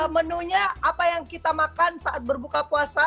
menunya apa yang kita makan saat berbuka puasa